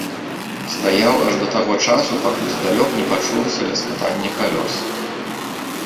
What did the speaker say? Стаяў аж да таго часу, пакуль здалёк не пачулася ляскатанне калёс.